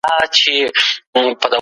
فرضیات د څېړنې د پراختیا لپاره مهم دي.